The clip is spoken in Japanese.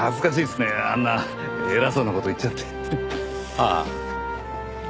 ああ。